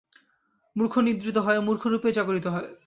মূর্খ নিদ্রিত হয়, মূর্খরূপেই জাগরিত হয়।